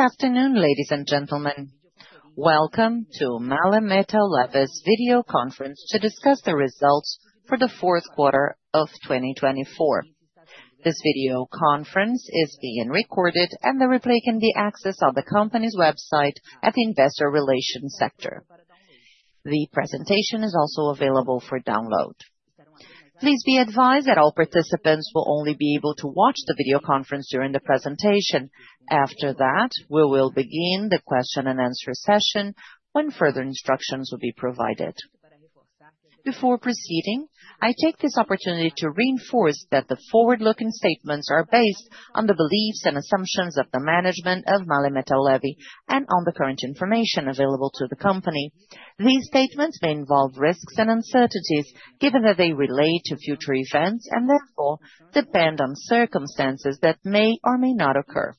Good afternoon, ladies and gentlemen. Welcome to MAHLE Metal Leve's video conference to discuss the results for the fourth quarter of 2024. This video conference is being recorded, and the replay can be accessed on the company's website at the Investor Relations sector. The presentation is also available for download. Please be advised that all participants will only be able to watch the video conference during the presentation. After that, we will begin the question-and-answer session when further instructions will be provided. Before proceeding, I take this opportunity to reinforce that the forward-looking statements are based on the beliefs and assumptions of the management of MAHLE Metal Leve and on the current information available to the company. These statements may involve risks and uncertainties, given that they relate to future events and therefore depend on circumstances that may or may not occur.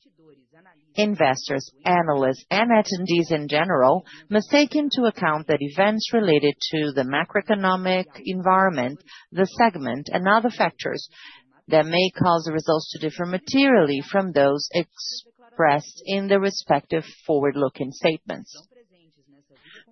Investors, analysts, and attendees in general must take into account that events related to the macroeconomic environment, the segment, and other factors that may cause the results to differ materially from those expressed in their respective forward-looking statements.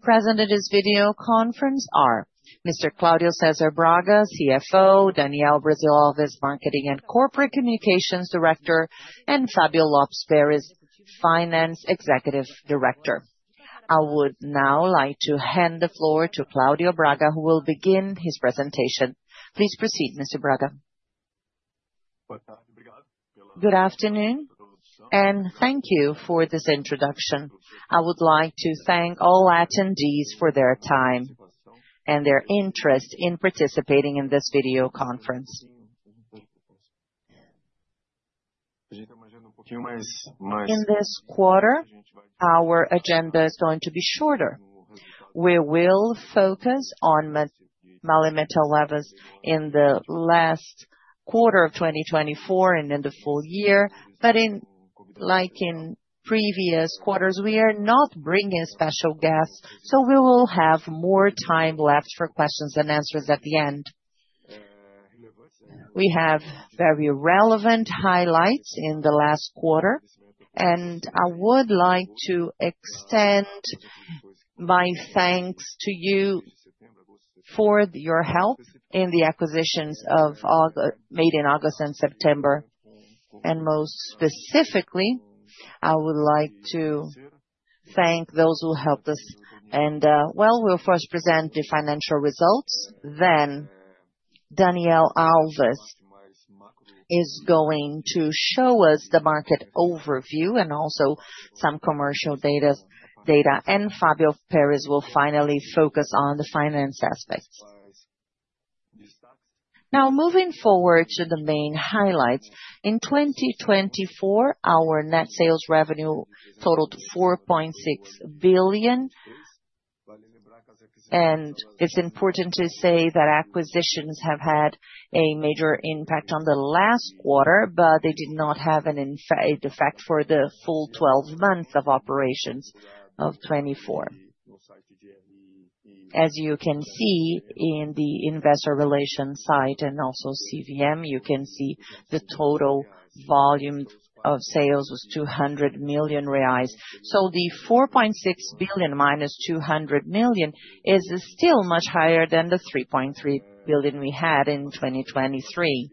Present at this video conference are Mr. Claudio Cesar Braga, CFO; Daniel Brasil Alves, Marketing and Corporate Communications Director; and Fábio Lopes Peres, Finance Executive Director. I would now like to hand the floor to Claudio Braga, who will begin his presentation. Please proceed, Mr. Braga. Good afternoon, and thank you for this introduction. I would like to thank all attendees for their time and their interest in participating in this video conference. In this quarter, our agenda is going to be shorter. We will focus on MAHLE Metal Leve in the last quarter of 2024 and in the full year, but like in previous quarters, we are not bringing special guests, so we will have more time left for questions and answers at the end. We have very relevant highlights in the last quarter, and I would like to extend my thanks to you for your help in the acquisitions made in August and September. Most specifically, I would like to thank those who helped us. We'll first present the financial results. Then Daniel Alves is going to show us the market overview and also some commercial data, and Fábio Peres will finally focus on the finance aspects. Now, moving forward to the main highlights. In 2024, our net sales revenue totaled $4.6 billion. It's important to say that acquisitions have had a major impact on the last quarter, but they did not have an effect for the full 12 months of operations of 2024. As you can see in the Investor Relations site and also CVM, you can see the total volume of sales was $200 million. So the $4.6 billion minus $200 million is still much higher than the $3.3 billion we had in 2023.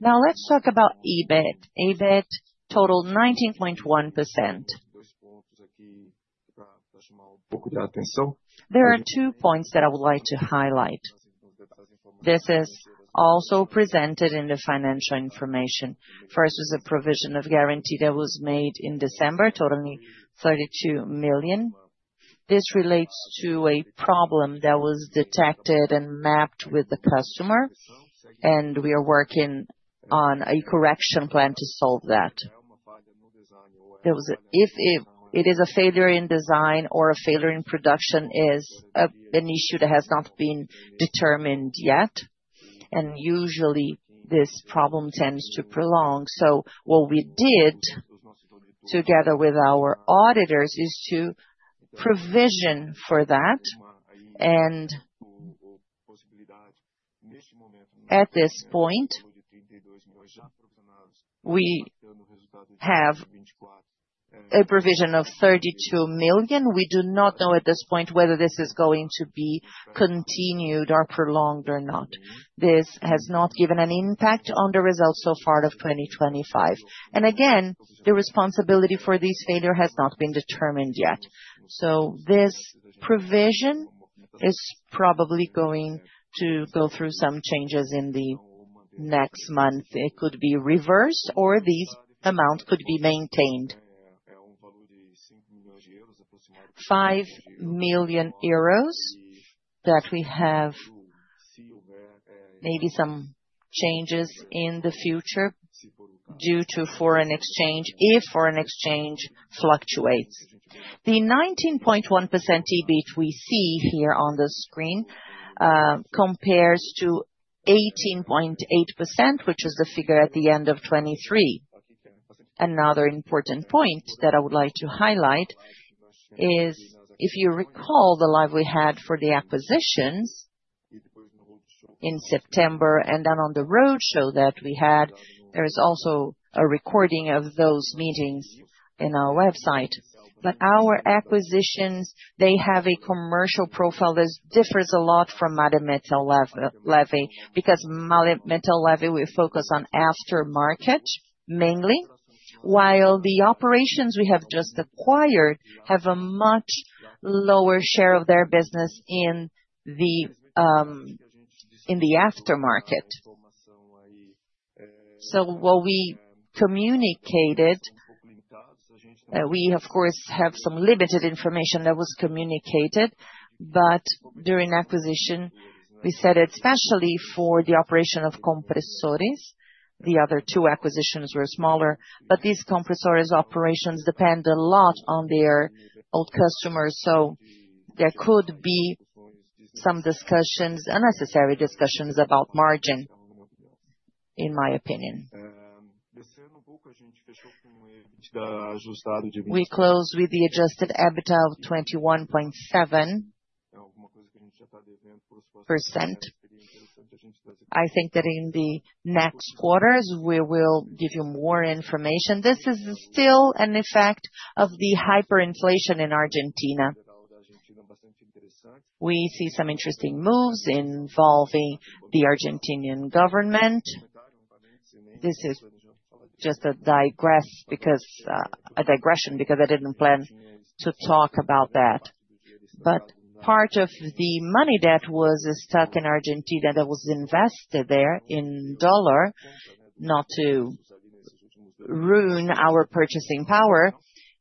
Now, let's talk about EBIT. EBIT totaled 19.1%. There are two points that I would like to highlight. This is also presented in the financial information. First is a provision of guarantee that was made in December, totaling $32 million. This relates to a problem that was detected and mapped with the customer, and we are working on a correction plan to solve that. If it is a failure in design or a failure in production, it is an issue that has not been determined yet, and usually this problem tends to prolong. What we did together with our auditors is to provision for that. At this point, we have a provision of $32 million. We do not know at this point whether this is going to be continued or prolonged or not. This has not given an impact on the results so far of 2025. Again, the responsibility for this failure has not been determined yet. This provision is probably going to go through some changes in the next month. It could be reversed, or this amount could be maintained. EUR 5 million that we have maybe some changes in the future due to foreign exchange if foreign exchange fluctuates. The 19.1% EBIT we see here on the screen compares to 18.8%, which is the figure at the end of 2023. Another important point that I would like to highlight is if you recall the live we had for the acquisitions in September and then on the roadshow that we had, there is also a recording of those meetings on our website. But our acquisitions, they have a commercial profile that differs a lot from MAHLE Metal Leve because MAHLE Metal Leve focuses on aftermarket mainly, while the operations we have just acquired have a much lower share of their business in the aftermarket. So what we communicated, we, of course, have some limited information that was communicated, but during acquisition, we said it especially for the operation of Compressores. The other two acquisitions were smaller, but these Compressores operations depend a lot on their old customers, so there could be some unnecessary discussions about margin, in my opinion. We closed with the adjusted EBIT of 21.7%. I think that in the next quarters, we will give you more information. This is still an effect of the hyperinflation in Argentina. We see some interesting moves involving the Argentinian government. This is just a digression because I didn't plan to talk about that. But part of the money that was stuck in Argentina that was invested there in dollars, not to ruin our purchasing power,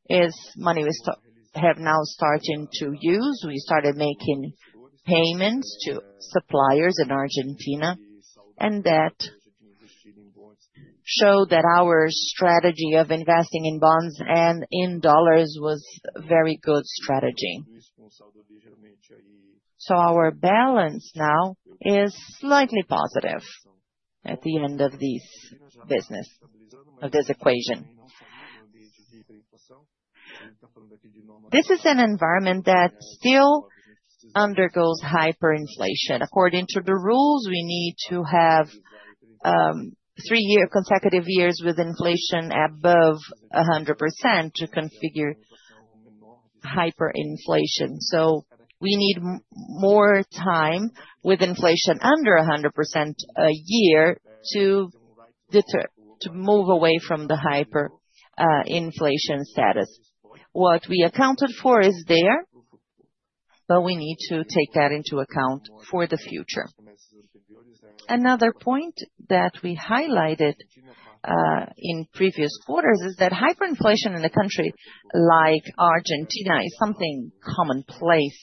is money we have now starting to use. We started making payments to suppliers in Argentina, and that showed that our strategy of investing in bonds and in dollars was a very good strategy. Our balance now is slightly positive at the end of this equation. This is an environment that still undergoes hyperinflation. According to the rules, we need to have three consecutive years with inflation above 100% to configure hyperinflation. We need more time with inflation under 100% a year to move away from the hyperinflation status. What we accounted for is there, but we need to take that into account for the future. Another point that we highlighted in previous quarters is that hyperinflation in a country like Argentina is something commonplace.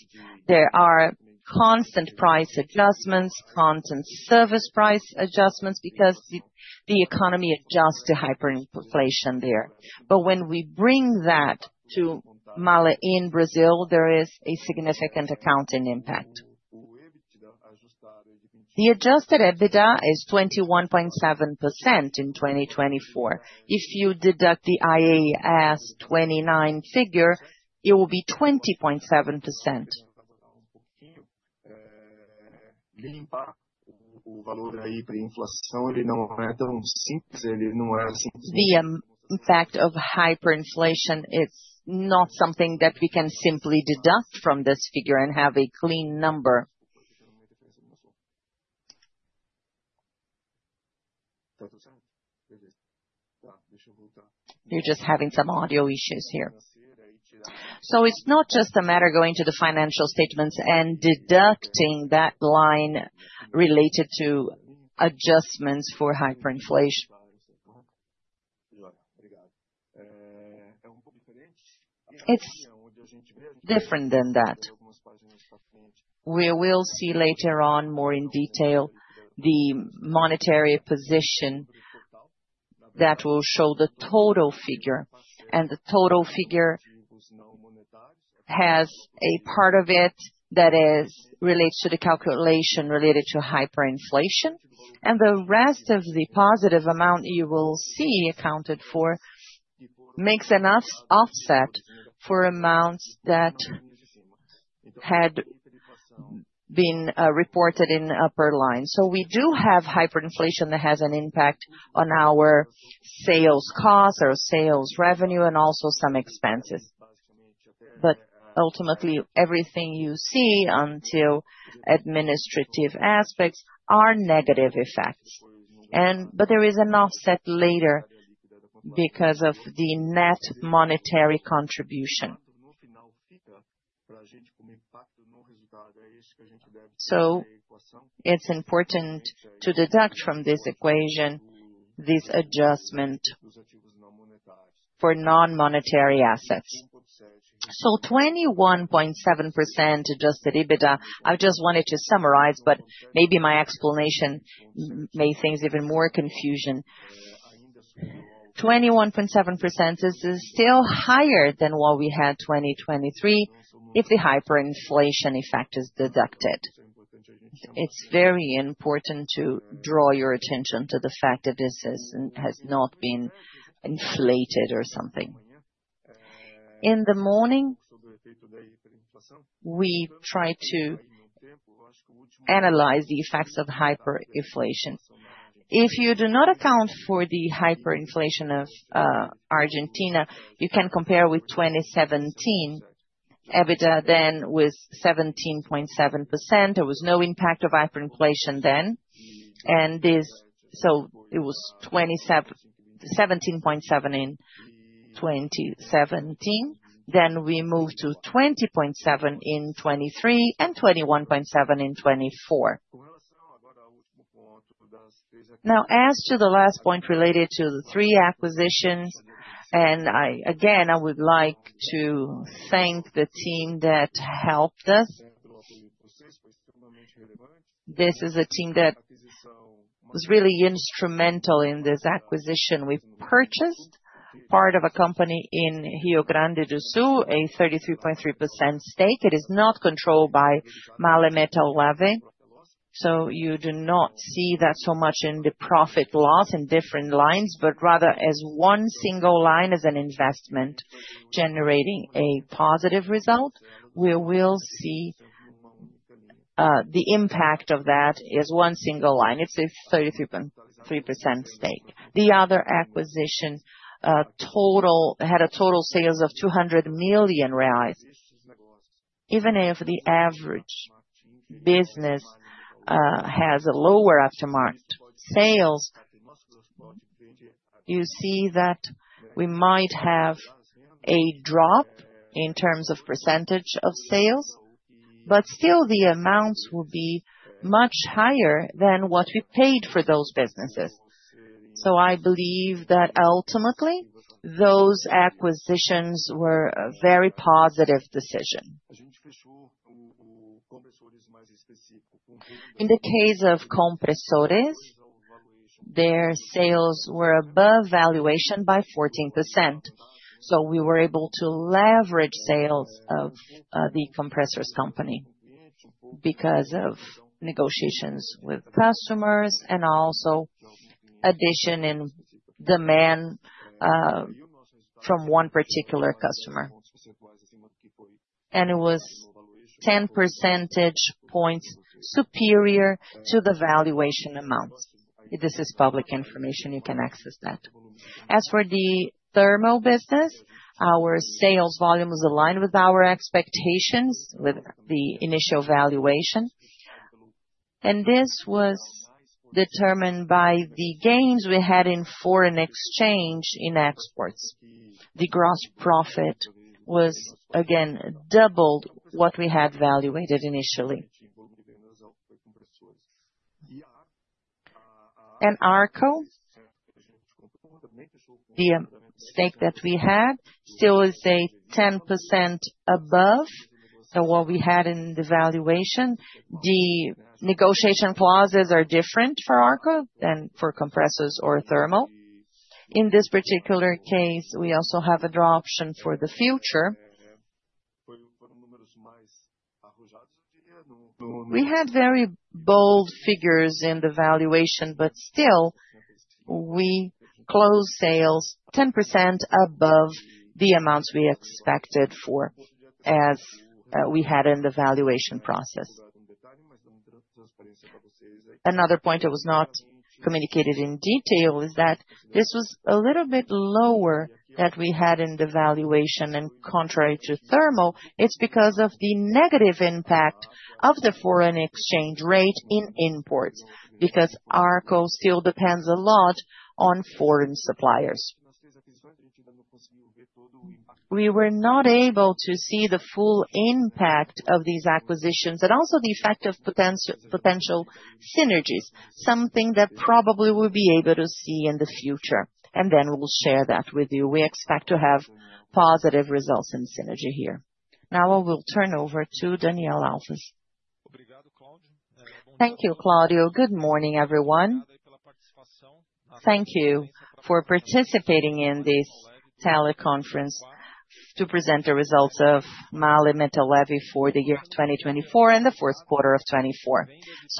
There are constant price adjustments, constant service price adjustments because the economy adjusts to hyperinflation there. But when we bring that to MAHLE in Brazil, there is a significant accounting impact. The adjusted EBIT is 21.7% in 2024. If you deduct the IAS 29 figure, it will be 20.7%. The impact of hyperinflation is not something that we can simply deduct from this figure and have a clean number. You're just having some audio issues here. So it's not just a matter of going to the financial statements and deducting that line related to adjustments for hyperinflation. It's different than that. We will see later on more in detail the monetary position that will show the total figure. The total figure has a part of it that relates to the calculation related to hyperinflation, and the rest of the positive amount you will see accounted for makes enough offset for amounts that had been reported in upper line. So we do have hyperinflation that has an impact on our sales costs or sales revenue and also some expenses. But ultimately, everything you see until administrative aspects are negative effects. But there is an offset later because of the net monetary contribution. It's important to deduct from this equation this adjustment for non-monetary assets. 21.7% Adjusted EBIT, I just wanted to summarize, but maybe my explanation made things even more confusing. 21.7% is still higher than what we had in 2023 if the hyperinflation effect is deducted. It's very important to draw your attention to the fact that this has not been inflated or something. In the morning, we tried to analyze the effects of hyperinflation. If you do not account for the hyperinflation of Argentina, you can compare with 2017 EBIT then with 17.7%. There was no impact of hyperinflation then. It was 17.7% in 2017. Then we moved to 20.7% in 2023 and 21.7% in 2024. Now, as to the last point related to the three acquisitions, and again, I would like to thank the team that helped us. This is a team that was really instrumental in this acquisition. We purchased part of a company in Rio Grande do Sul, a 33.3% stake. It is not controlled by MAHLE Metal Leve. So you do not see that so much in the profit loss in different lines, but rather as one single line as an investment generating a positive result. We will see the impact of that as one single line. It's a 33% stake. The other acquisition had a total sales of $200 million. Even if the average business has a lower aftermarket sales, you see that we might have a drop in terms of percentage of sales, but still the amounts will be much higher than what we paid for those businesses. I believe that ultimately those acquisitions were a very positive decision. In the case of Compressores, their sales were above valuation by 14%. We were able to leverage sales of the Compressores company because of negotiations with customers and also addition in demand from one particular customer. And it was 10 percentage points superior to the valuation amount. This is public information. You can access that. As for the thermal business, our sales volume was aligned with our expectations with the initial valuation. And this was determined by the gains we had in foreign exchange in exports. The gross profit was, again, doubled what we had valuated initially. And Arco, the stake that we had, still is 10% above what we had in the valuation. The negotiation clauses are different for Arco than for compressors or thermal. In this particular case, we also have a drop option for the future. We had very bold figures in the valuation, but still we closed sales 10% above the amounts we expected as we had in the valuation process. Another point that was not communicated in detail is that this was a little bit lower than we had in the valuation and contrary to thermal. It's because of the negative impact of the foreign exchange rate in imports because Arco still depends a lot on foreign suppliers. We were not able to see the full impact of these acquisitions and also the effect of potential synergies, something that probably we'll be able to see in the future. We'll share that with you. We expect to have positive results in synergy here. Now I will turn over to Daniel Alves. Thank you, Claudio. Good morning, everyone. Thank you for participating in this teleconference to present the results of MAHLE Metal Leve for the year 2024 and the fourth quarter of 2024.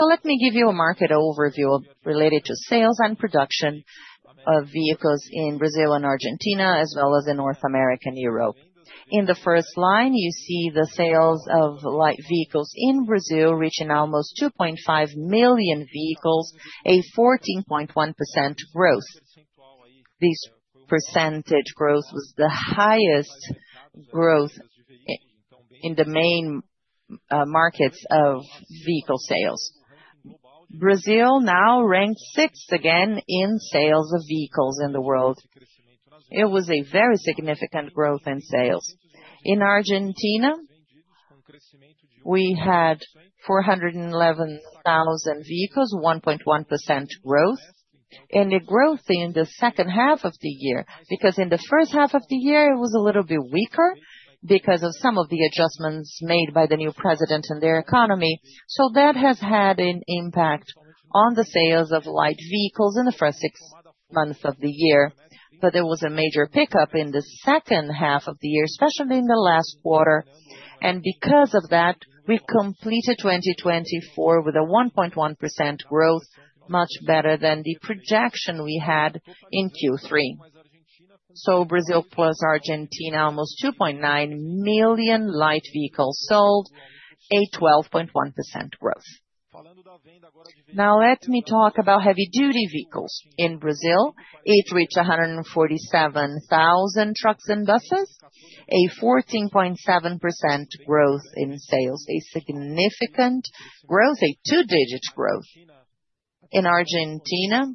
Let me give you a market overview related to sales and production of vehicles in Brazil and Argentina, as well as in North America and Europe. In the first line, you see the sales of light vehicles in Brazil reaching almost 2.5 million vehicles, a 14.1% growth. This percentage growth was the highest growth in the main markets of vehicle sales. Brazil now ranked sixth again in sales of vehicles in the world. It was a very significant growth in sales. In Argentina, we had 411,000 vehicles, 1.1% growth, and a growth in the second half of the year because in the first half of the year, it was a little bit weaker because of some of the adjustments made by the new president and their economy. That has had an impact on the sales of light vehicles in the first six months of the year. But there was a major pickup in the second half of the year, especially in the last quarter. Because of that, we completed 2024 with a 1.1% growth, much better than the projection we had in Q3. Brazil plus Argentina, almost 2.9 million light vehicles sold, a 12.1% growth. Now, let me talk about heavy-duty vehicles. In Brazil, it reached 147,000 trucks and buses, a 14.7% growth in sales, a significant growth, a two-digit growth. In Argentina,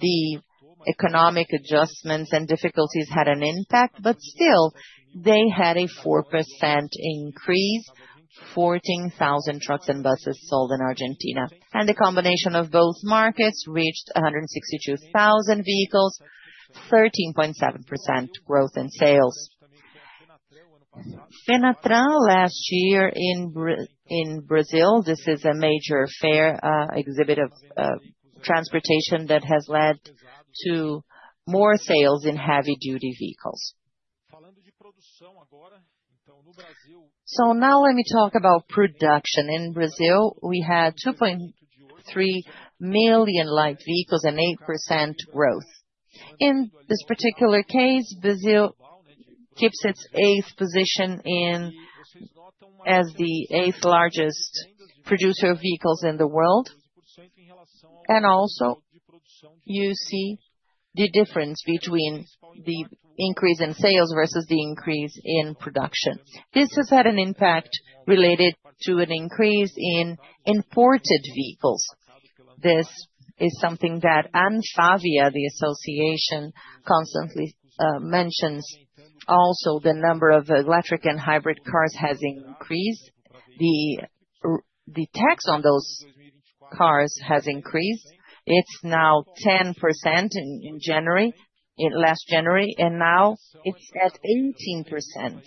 the economic adjustments and difficulties had an impact, but still they had a 4% increase, 14,000 trucks and buses sold in Argentina. The combination of both markets reached 162,000 vehicles, 13.7% growth in sales. Fenatran last year in Brazil, this is a major fair exhibit of transportation that has led to more sales in heavy-duty vehicles. Now let me talk about production. In Brazil, we had 2.3 million light vehicles and 8% growth. In this particular case, Brazil keeps its eighth position as the eighth largest producer of vehicles in the world. You see the difference between the increase in sales versus the increase in production. This has had an impact related to an increase in imported vehicles. This is something that ANFAVEA, the association, constantly mentions. The number of electric and hybrid cars has increased. The tax on those cars has increased. It's now 10% in last January, and now it's at 18%.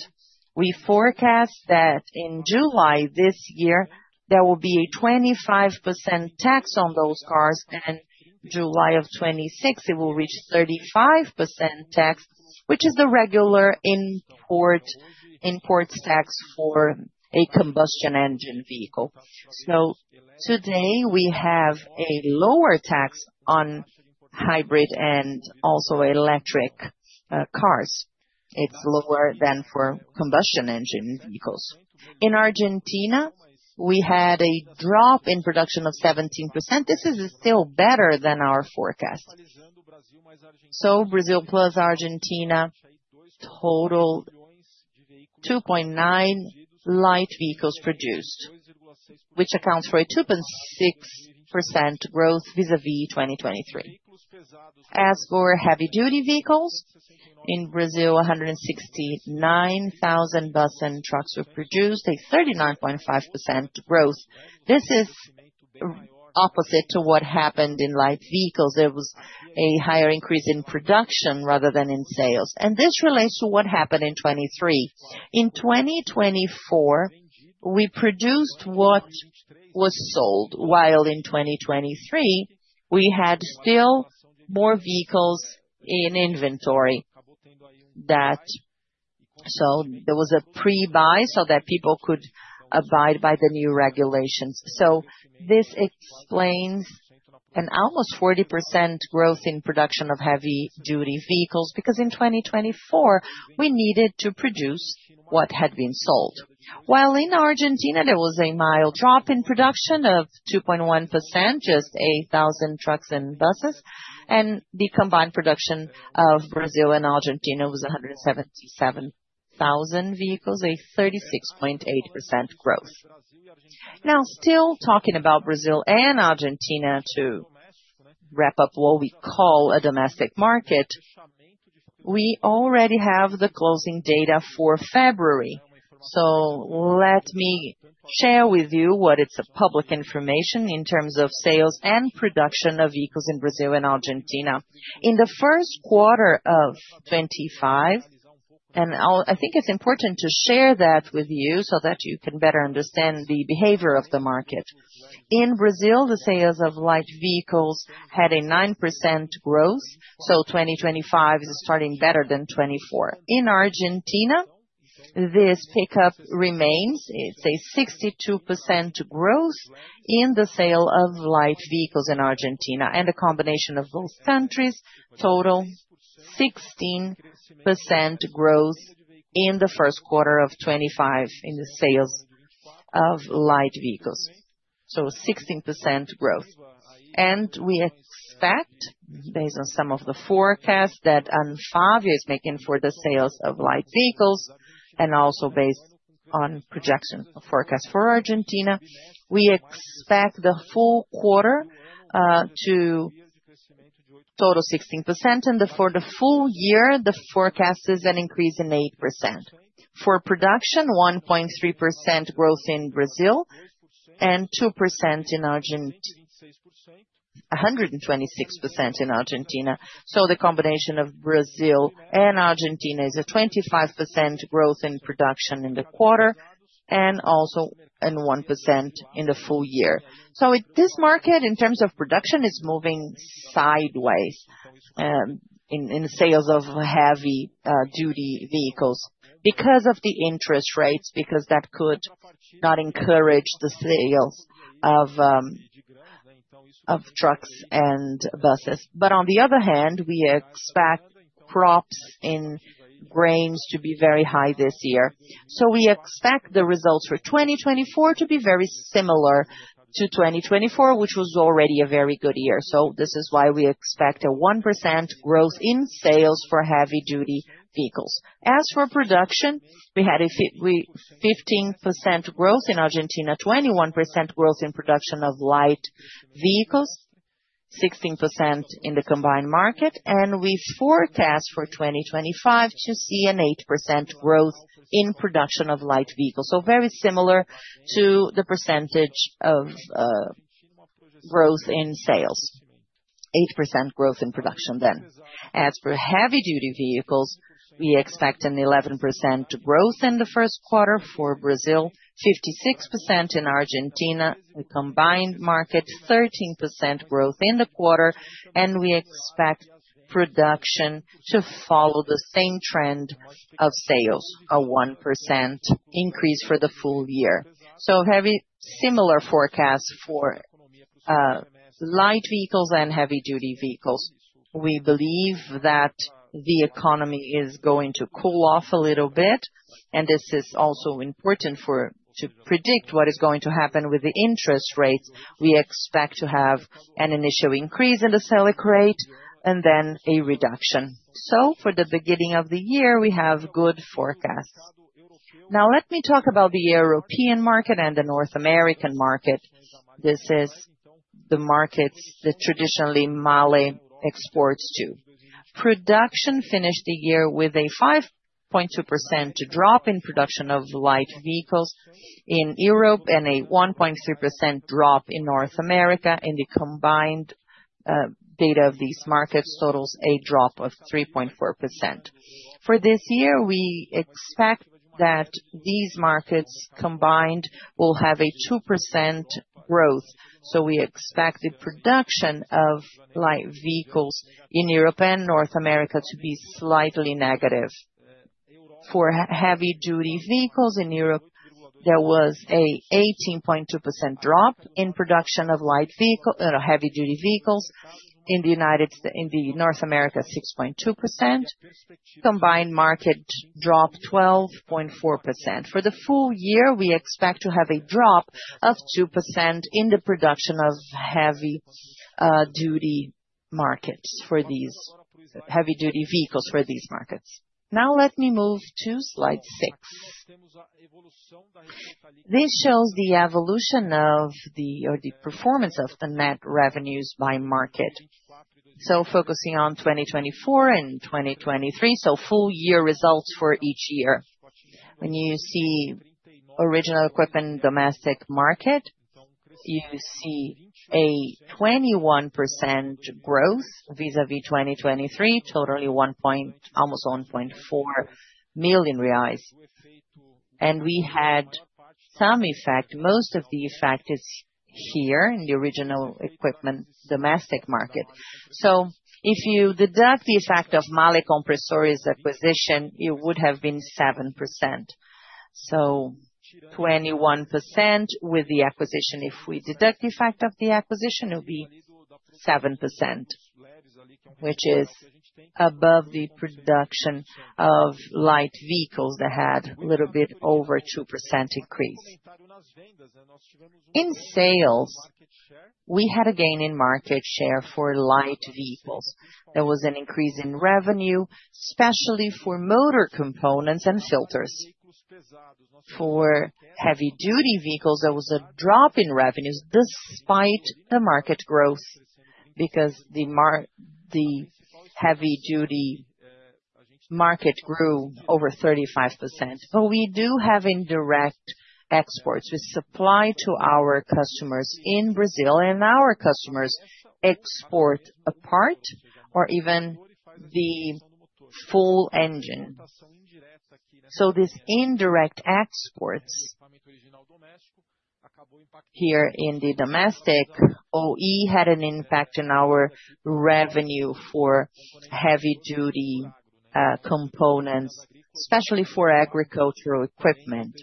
We forecast that in July this year, there will be a 25% tax on those cars, and July of 2026, it will reach 35% tax, which is the regular import tax for a combustion engine vehicle. Today we have a lower tax on hybrid and also electric cars. It's lower than for combustion engine vehicles. In Argentina, we had a drop in production of 17%. This is still better than our forecast. Brazil plus Argentina totaled 2.9 million light vehicles produced, which accounts for a 2.6% growth vis-à-vis 2023. As for heavy-duty vehicles, in Brazil, 169,000 buses and trucks were produced, a 39.5% growth. This is opposite to what happened in light vehicles. There was a higher increase in production rather than in sales. This relates to what happened in 2023. In 2024, we produced what was sold, while in 2023, we had still more vehicles in inventory that sold. There was a pre-buy so that people could abide by the new regulations. This explains an almost 40% growth in production of heavy-duty vehicles because in 2024, we needed to produce what had been sold. While in Argentina, there was a mild drop in production of 2.1%, just 8,000 trucks and buses, and the combined production of Brazil and Argentina was 177,000 vehicles, a 36.8% growth. Now, still talking about Brazil and Argentina to wrap up what we call a domestic market, we already have the closing data for February. Let me share with you what it's of public information in terms of sales and production of vehicles in Brazil and Argentina. In the first quarter of 2025, and I think it's important to share that with you so that you can better understand the behavior of the market. In Brazil, the sales of light vehicles had a 9% growth, so 2025 is starting better than 2024. In Argentina, this pickup remains. It's a 62% growth in the sale of light vehicles in Argentina. The combination of both countries totaled 16% growth in the first quarter of 2025 in the sales of light vehicles. So 16% growth. We expect, based on some of the forecasts that ANFAVEA is making for the sales of light vehicles, and also based on projection forecast for Argentina, we expect the full quarter to total 16%, and for the full year, the forecast is an increase of 8%. For production, 1.3% growth in Brazil and 126% in Argentina. The combination of Brazil and Argentina is a 25% growth in production in the quarter and also a 1% in the full year. This market, in terms of production, is moving sideways in sales of heavy-duty vehicles because of the interest rates, because that could not encourage the sales of trucks and buses. But on the other hand, we expect crops in grains to be very high this year. We expect the results for 2025 to be very similar to 2024, which was already a very good year. This is why we expect a 1% growth in sales for heavy-duty vehicles. As for production, we had a 15% growth in Argentina, 21% growth in production of light vehicles, 16% in the combined market, and we forecast for 2025 to see an 8% growth in production of light vehicles. Very similar to the percentage of growth in sales, 8% growth in production then. As for heavy-duty vehicles, we expect an 11% growth in the first quarter for Brazil, 56% in Argentina, a combined market, 13% growth in the quarter, and we expect production to follow the same trend of sales, a 1% increase for the full year. Very similar forecast for light vehicles and heavy-duty vehicles. We believe that the economy is going to cool off a little bit, and this is also important to predict what is going to happen with the interest rates. We expect to have an initial increase in the Selic rate and then a reduction. For the beginning of the year, we have good forecasts. Now, let me talk about the European market and the North American market. This is the markets that traditionally MAHLE exports to. Production finished the year with a 5.2% drop in production of light vehicles in Europe and a 1.3% drop in North America. The combined data of these markets totals a drop of 3.4%. For this year, we expect that these markets combined will have a 2% growth. We expect the production of light vehicles in Europe and North America to be slightly negative. For heavy-duty vehicles in Europe, there was an 18.2% drop in production of heavy-duty vehicles. In North America, 6.2%. Combined market drop 12.4%. For the full year, we expect to have a drop of 2% in the production of heavy-duty vehicles for these markets. Let me move to slide 6. This shows the evolution of the performance of the net revenues by market. Focusing on 2024 and 2023, full year results for each year. When you see original equipment domestic market, you see a 21% growth vis-à-vis 2023, totally almost $1.4 million. We had some effect. Most of the effect is here in the original equipment domestic market. If you deduct the effect of MAHLE Compressores' acquisition, it would have been 7%. 21% with the acquisition, if we deduct the effect of the acquisition, it would be 7%, which is above the production of light vehicles that had a little bit over 2% increase. In sales, we had a gain in market share for light vehicles. There was an increase in revenue, especially for motor components and filters. For heavy-duty vehicles, there was a drop in revenues despite the market growth because the heavy-duty market grew over 35%. But we do have indirect exports. We supply to our customers in Brazil, and our customers export a part or even the full engine. So these indirect exports here in the domestic OE had an impact in our revenue for heavy-duty components, especially for agricultural equipment.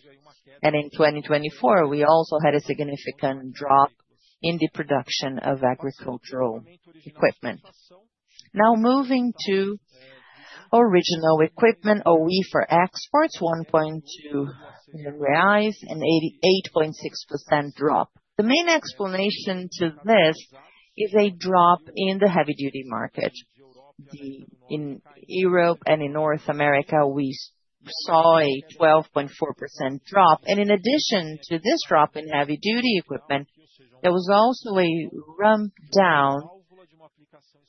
In 2024, we also had a significant drop in the production of agricultural equipment. Moving to original equipment OE for exports, $1.2 million, an 8.6% drop. The main explanation to this is a drop in the heavy-duty market. In Europe and in North America, we saw a 12.4% drop. In addition to this drop in heavy-duty equipment, there was also a ramp down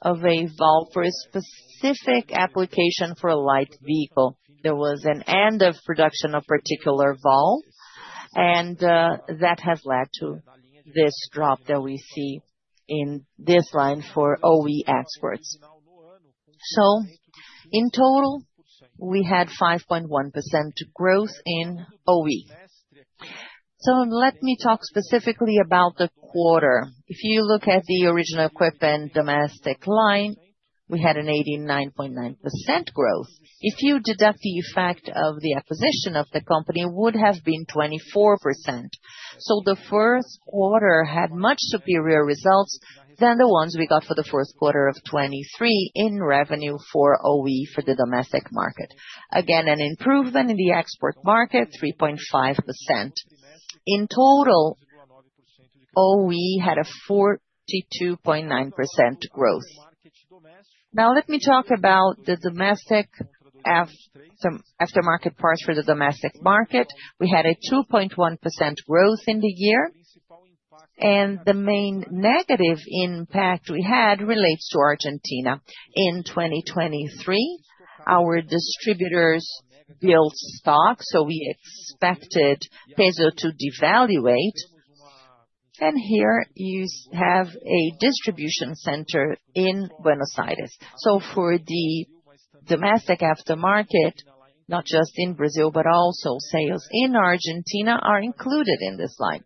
of a valve for a specific application for a light vehicle. There was an end of production of a particular valve, and that has led to this drop that we see in this line for OE exports. In total, we had 5.1% growth in OE. Let me talk specifically about the quarter. If you look at the original equipment domestic line, we had an 89.9% growth. If you deduct the effect of the acquisition of the company, it would have been 24%. The first quarter had much superior results than the ones we got for the first quarter of 2023 in revenue for OE for the domestic market. Again, an improvement in the export market, 3.5%. In total, OE had a 42.9% growth. Now, let me talk about the domestic aftermarket parts for the domestic market. We had a 2.1% growth in the year. The main negative impact we had relates to Argentina. In 2023, our distributors built stock, we expected peso to devaluate. Here you have a distribution center in Buenos Aires. For the domestic aftermarket, not just in Brazil, but also sales in Argentina are included in this line.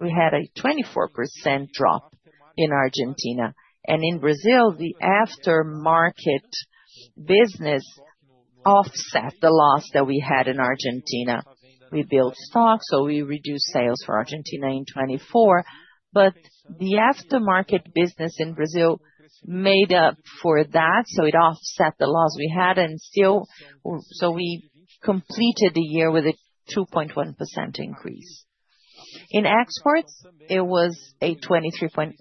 We had a 24% drop in Argentina. In Brazil, the aftermarket business offset the loss that we had in Argentina. We built stock, so we reduced sales for Argentina in 2024. But the aftermarket business in Brazil made up for that, so it offset the loss we had. We completed the year with a 2.1% increase. In exports, it was a 23.8%.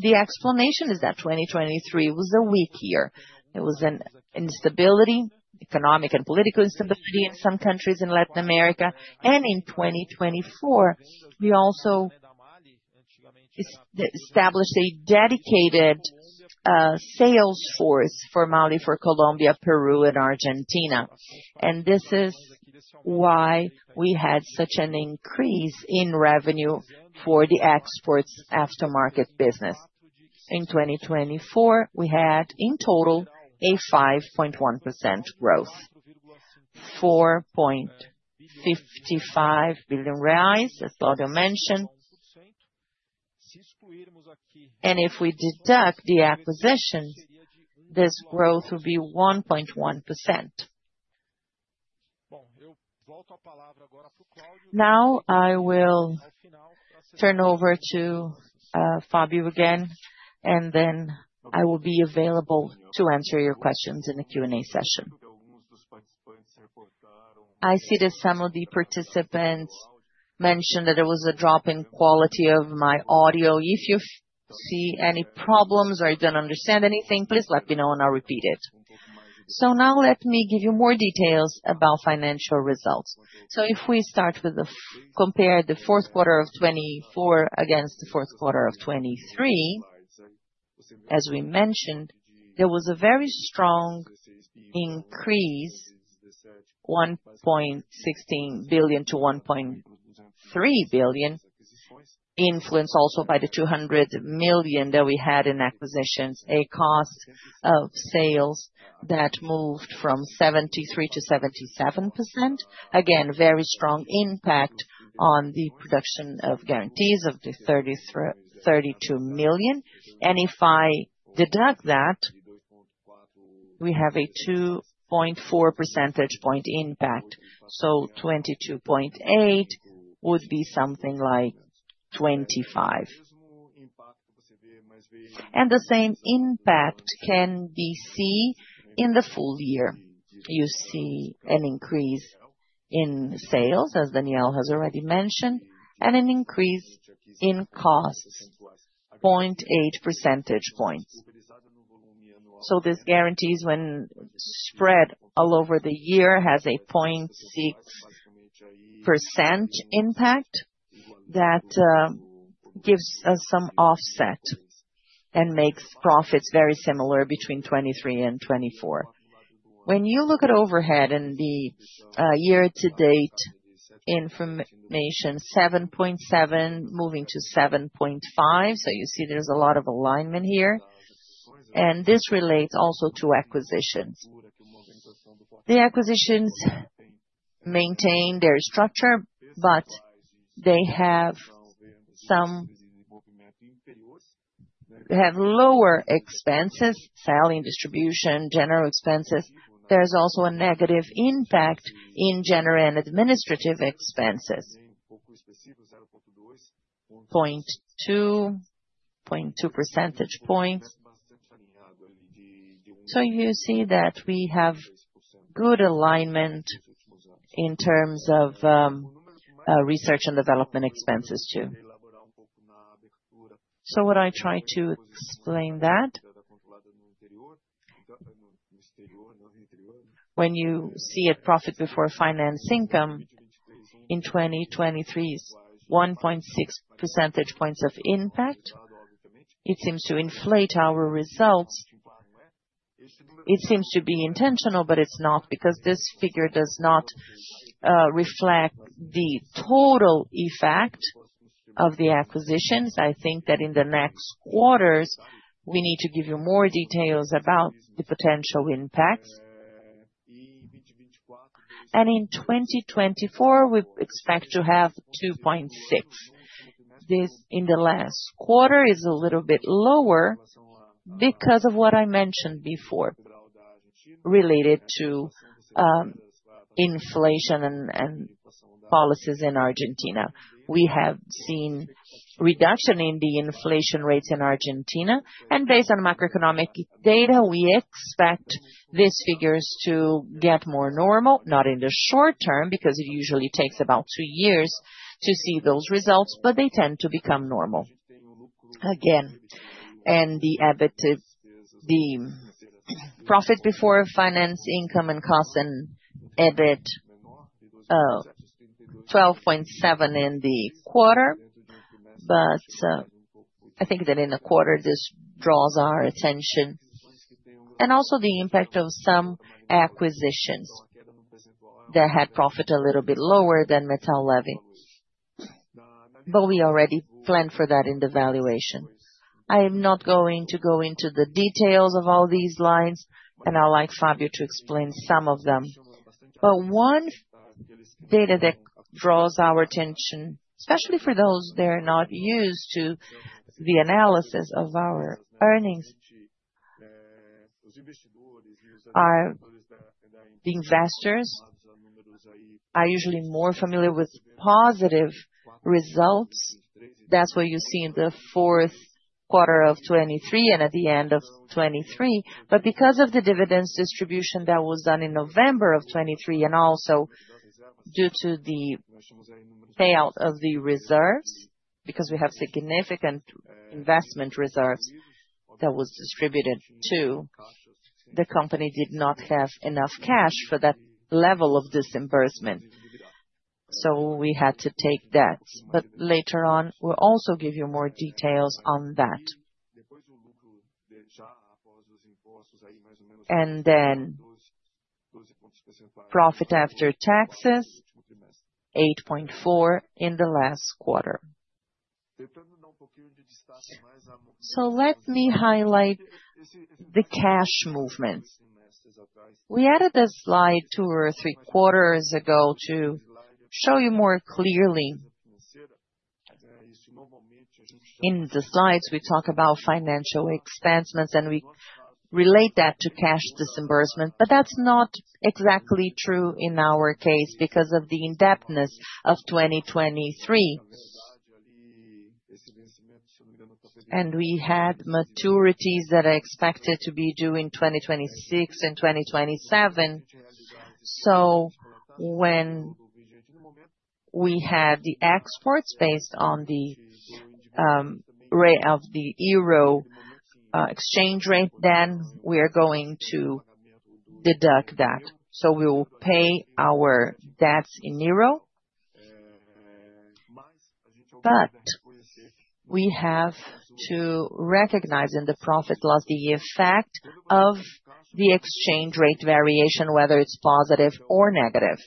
The explanation is that 2023 was a weak year. There was an instability, economic and political instability in some countries in Latin America. In 2024, we also established a dedicated sales force for MAHLE for Colombia, Peru, and Argentina. This is why we had such an increase in revenue for the exports aftermarket business. In 2024, we had in total a 5.1% growth, $4.55 billion, as Claudio mentioned. If we deduct the acquisitions, this growth would be 1.1%. Now, I will turn over to Fábio again, and then I will be available to answer your questions in the Q&A session. I see that some of the participants mentioned that there was a drop in quality of my audio. If you see any problems or you don't understand anything, please let me know and I'll repeat it. Now let me give you more details about financial results. If we start with the compare the fourth quarter of 2024 against the fourth quarter of 2023, as we mentioned, there was a very strong increase, $1.16 billion to $1.3 billion, influenced also by the $200 million that we had in acquisitions, a cost of sales that moved from 73% to 77%. Again, very strong impact on the production of guarantees of the $32 million. If I deduct that, we have a 2.4 percentage point impact. So 22.8% would be something like 25%. The same impact can be seen in the full year. You see an increase in sales, as Daniel has already mentioned, and an increase in costs, 0.8 percentage points. So this guarantees, when spread all over the year, has a 0.6% impact that gives us some offset and makes profits very similar between 2023 and 2024. When you look at overhead and the year-to-date information, 7.7% moving to 7.5%, so you see there's a lot of alignment here. This relates also to acquisitions. The acquisitions maintain their structure, but they have some lower expenses, sale and distribution, general expenses. There's also a negative impact in general and administrative expenses. 0.2%, 0.2 percentage points. You see that we have good alignment in terms of research and development expenses too. What I try to explain is that, when you see a profit before finance income in 2023, 1.6 percentage points of impact, it seems to inflate our results. It seems to be intentional, but it's not because this figure does not reflect the total effect of the acquisitions. I think that in the next quarters, we need to give you more details about the potential impacts. In 2024, we expect to have 2.6%. This in the last quarter is a little bit lower because of what I mentioned before related to inflation and policies in Argentina. We have seen reduction in the inflation rates in Argentina. Based on macroeconomic data, we expect these figures to get more normal, not in the short term because it usually takes about two years to see those results, but they tend to become normal again. The profit before finance income and costs and EBIT, 12.7% in the quarter, but I think that in the quarter, this draws our attention. Also the impact of some acquisitions that had profit a little bit lower than Metal Leve. But we already planned for that in the valuation. I am not going to go into the details of all these lines, I'd like Fábio to explain some of them. But one data that draws our attention, especially for those that are not used to the analysis of our earnings, are the investors. I'm usually more familiar with positive results. That's what you see in the fourth quarter of 2023 and at the end of 2023. Because of the dividends distribution that was done in November of 2023 and also due to the payout of the reserves, because we have significant investment reserves that were distributed to the company, did not have enough cash for that level of disbursement. So we had to take that. Later on, we'll also give you more details on that. Profit after taxes, $8.4 million in the last quarter. So let me highlight the cash movements. We added this slide two or three quarters ago to show you more clearly. In the slides, we talk about financial expenses, and we relate that to cash disbursement, but that's not exactly true in our case because of the indebtedness of 2023. We had maturities that are expected to be due in 2026 and 2027. When we have the exports based on the rate of the euro exchange rate, then we are going to deduct that. We will pay our debts in euro, but we have to recognize in the profit loss the effect of the exchange rate variation, whether it's positive or negative.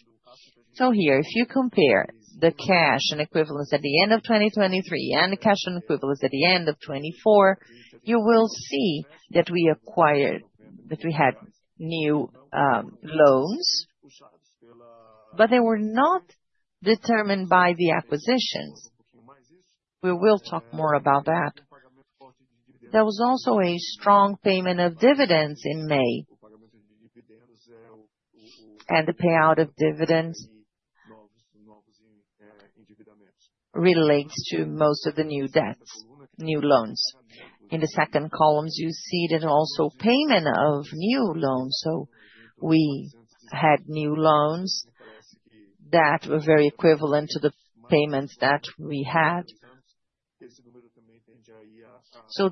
Here, if you compare the cash and equivalents at the end of 2023 and the cash and equivalents at the end of 2024, you will see that we acquired, that we had new loans, but they were not determined by the acquisitions. We will talk more about that. There was also a strong payment of dividends in May, and the payout of dividends relates to most of the new debts, new loans. In the second column, you see that also payment of new loans. We had new loans that were very equivalent to the payments that we had.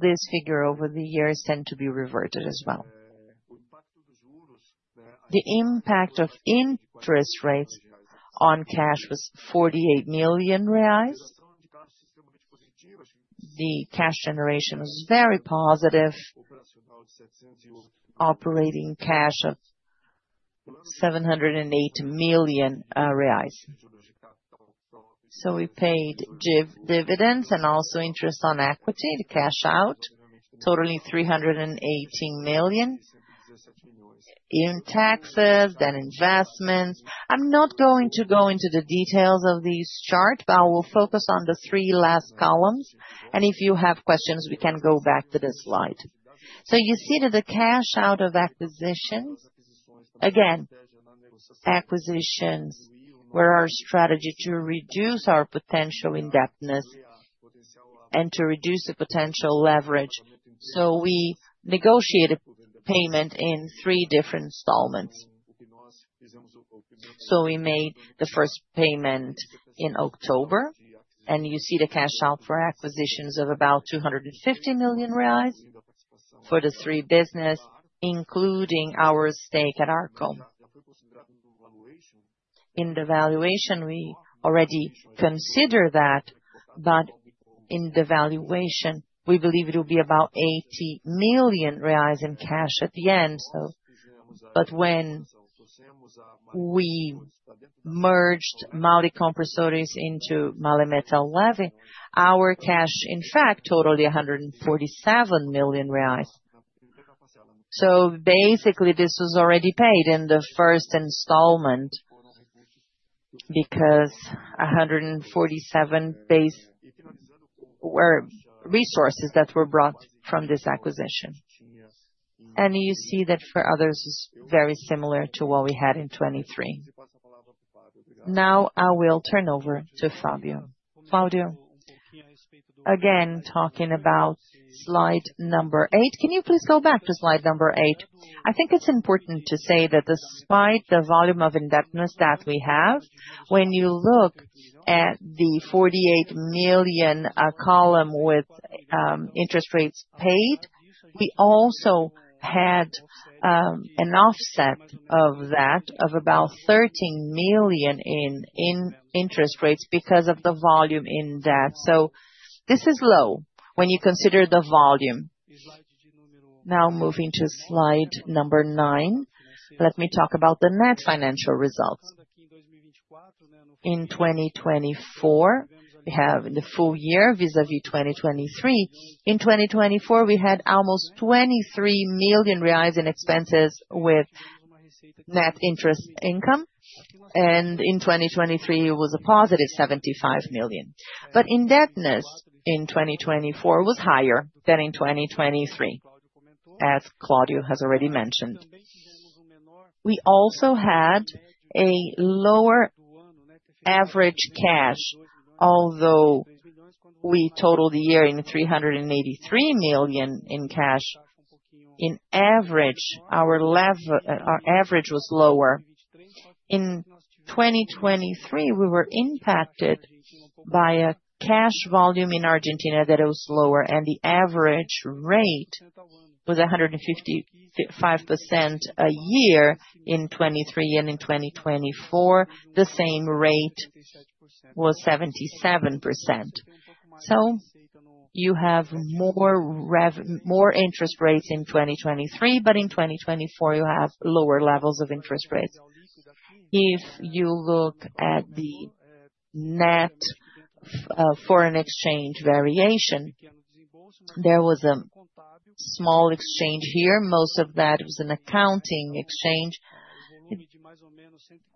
This figure over the year is said to be reverted as well. The impact of interest rates on cash was $48 million. The cash generation was very positive, operating cash of $708 million. We paid dividends and also interest on equity, the cash out, totally $318 million in taxes, then investments. I'm not going to go into the details of this chart, but I will focus on the three last columns. If you have questions, we can go back to this slide. You see that the cash out of acquisitions, again, acquisitions were our strategy to reduce our potential indebtedness and to reduce the potential leverage. We negotiated payment in three different installments. We made the first payment in October, and you see the cash out for acquisitions of about $250 million for the three businesses, including our stake at Arco. In the valuation, we already consider that, but in the valuation, we believe it will be about $80 million in cash at the end. But when we merged MAHLE Compressores into MAHLE Metal Leve, our cash, in fact, totaled $147 million. Basically, this was already paid in the first installment because $147 million were resources that were brought from this acquisition. And you see that for others, it's very similar to what we had in 2023. Now I will turn over to Fábio. Fábio, again, talking about slide number 8, can you please go back to slide number 8? I think it's important to say that despite the volume of indebtedness that we have, when you look at the $48 million column with interest rates paid, we also had an offset of that of about $13 million in interest rates because of the volume in debt. So this is low when you consider the volume. Now moving to slide number 9, let me talk about the net financial results. In 2024, we have the full year vis-à-vis 2023. In 2024, we had almost $23 million in expenses with net interest income, and in 2023, it was a positive $75 million. But indebtedness in 2024 was higher than in 2023, as Claudio has already mentioned. We also had a lower average cash, although we totaled the year in $383 million in cash. In average, our average was lower. In 2023, we were impacted by a cash volume in Argentina that was lower, and the average rate was 155% a year in 2023, and in 2024, the same rate was 77%. So you have more interest rates in 2023, but in 2024, you have lower levels of interest rates. If you look at the net foreign exchange variation, there was a small exchange here. Most of that was an accounting exchange,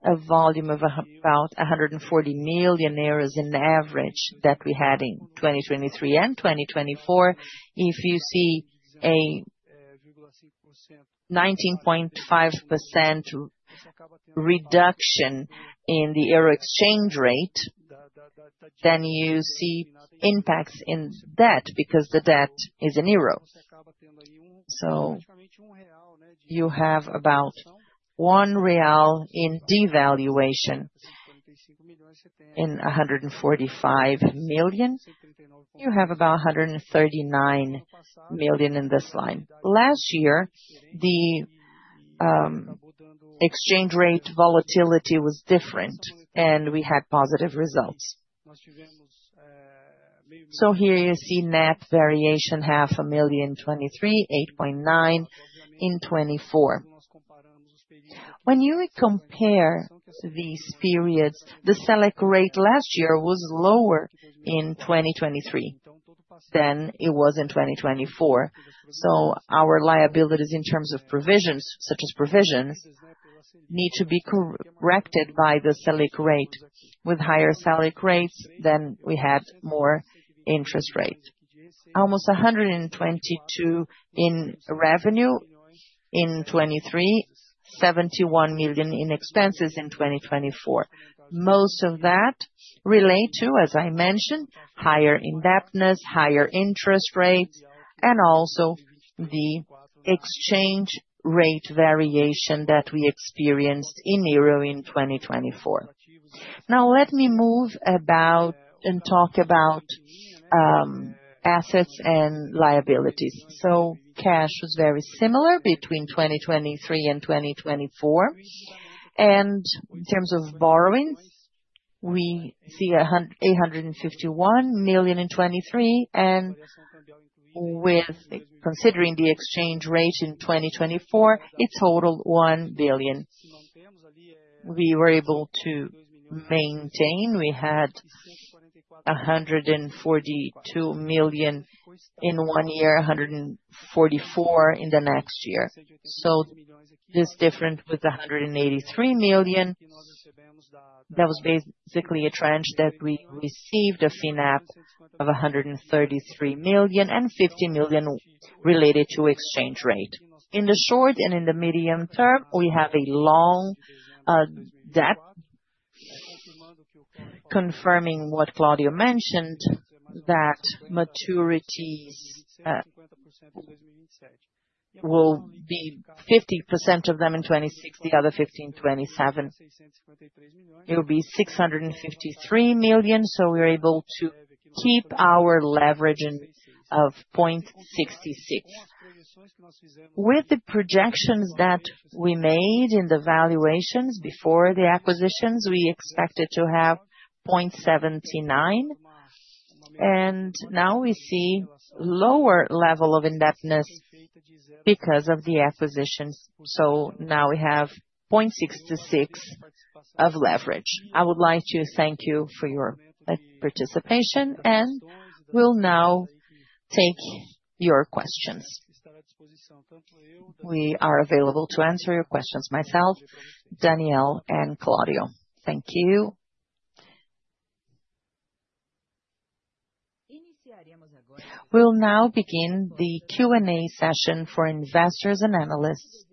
a volume of about 140 million euros in average that we had in 2023 and 2024. If you see a 19.5% reduction in the euro exchange rate, then you see impacts in debt because the debt is in euros. You have about 1 real in devaluation. In 145 million, you have about 139 million in this line. Last year, the exchange rate volatility was different, and we had positive results. Here you see net variation $500,000 in 2023, $8.9 million in 2024. When you compare these periods, the SELIC rate last year was lower in 2023 than it was in 2024. Our liabilities in terms of provisions need to be corrected by the SELIC rate. With higher SELIC rates, then we had more interest rate. Almost $122 million in revenue in 2023, $71 million in expenses in 2024. Most of that relates to, as I mentioned, higher indebtedness, higher interest rates, and also the exchange rate variation that we experienced in euro in 2024. Now let me move about and talk about assets and liabilities. Cash was very similar between 2023 and 2024. In terms of borrowings, we see $851 million in 2023, and considering the exchange rate in 2024, it totaled $1 billion. We were able to maintain; we had $142 million in one year, $144 million in the next year. So this difference was $183 million. That was basically a tranche that we received a FINEP of $133 million and $50 million related to exchange rate. In the short and in the medium term, we have a long debt confirming what Claudio mentioned, that maturities will be 50% of them in 2026, the other 15% in 2027. It will be $653 million, so we're able to keep our leverage of 0.66. With the projections that we made in the valuations before the acquisitions, we expected to have 0.79, and now we see a lower level of indebtedness because of the acquisitions. So now we have 0.66 of leverage. I would like to thank you for your participation, and we'll now take your questions. We are available to answer your questions myself, Daniel, and Claudio. Thank you. We'll now begin the Q&A session for investors and analysts.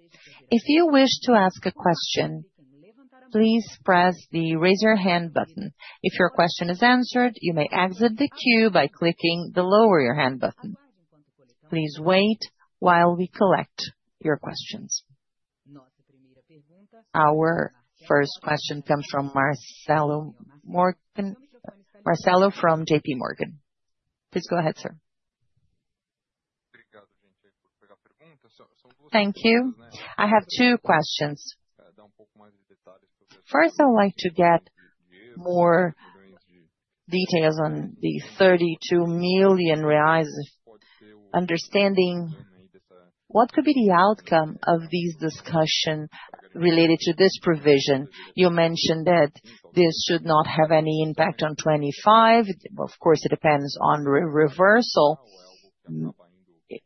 If you wish to ask a question, please press the raise your hand button. If your question is answered, you may exit the queue by clicking the lower your hand button. Please wait while we collect your questions. Our first question comes from Marcelo Motta, Marcelo from J.P. Morgan. Please go ahead, sir. Thank you. I have two questions. First, I'd like to get more details on the $32 million. Understanding what could be the outcome of this discussion related to this provision, you mentioned that this should not have any impact on 2025. Of course, it depends on reversal.